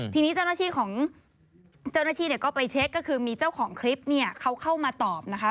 ทีนี้เจ้าหน้าที่ของเจ้าหน้าที่เนี่ยก็ไปเช็คก็คือมีเจ้าของคลิปเนี่ยเขาเข้ามาตอบนะคะ